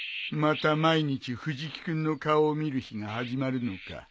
また毎日藤木君の顔を見る日が始まるのか。